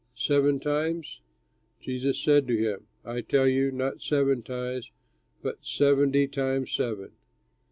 Seven times?" Jesus said to him, "I tell you, not seven times but seventy times seven.